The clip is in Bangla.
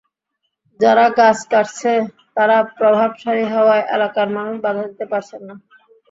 যারা গাছ কাটছে, তারা প্রভাবশালী হওয়ায় এলাকার মানুষ বাধা দিতে পারছেন না।